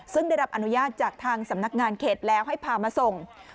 ซึ่งได้รับอนุญาตจากทางสำนักงานเขตแล้วให้พามาส่ง